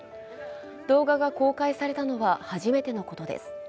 動画が公開されたのは初めてのことです。